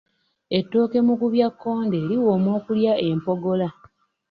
Ettooke mukubyakkonde liwooma okulya empogola